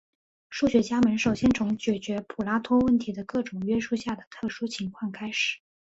数学家们首先从解决普拉托问题的各种约束下的特殊情况开始。